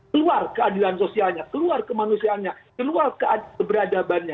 keluar keadilan sosialnya keluar kemanusiaannya keluar keberadabannya